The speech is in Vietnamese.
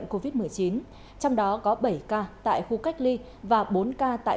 xin chào và hẹn gặp lại